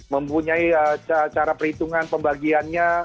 mempunyai cara perhitungan pembagiannya